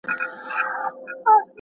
ښځې کولای شي د ټولنې اصلاح وکړي.